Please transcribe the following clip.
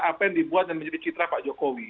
apa yang dibuat dan menjadi citra pak jokowi